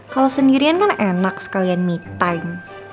kalau sendirian kan enak sekalian me time